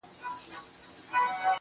o زموږ وطن كي اور بل دی.